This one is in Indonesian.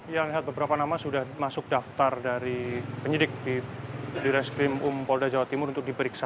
ya lihat beberapa nama sudah masuk daftar dari penyidik di reskrim umpolda jawa timur untuk diperiksa